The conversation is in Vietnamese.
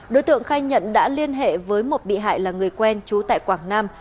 đối tượng khai nhận đã liên hệ với một bị hại là người quen trú tại quảng nam